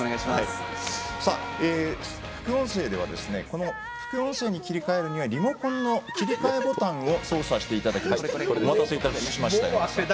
副音声では副音声に切り替えるにはリモコンの切り替えボタンを操作していただきます。